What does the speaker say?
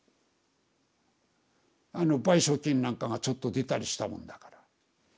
賠償金なんかがちょっと出たりしたもんだから。